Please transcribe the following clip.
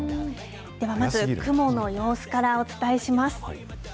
ではまず雲の様子からお伝えします。